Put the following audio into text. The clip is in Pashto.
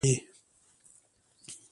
له دې دنیا چې لاړ شم واړه وايي.